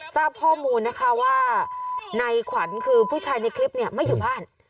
ทราบข้อมูลนะคะว่าในขวัญคือผู้ชายในคลิปเนี่ยไม่อยู่บ้าน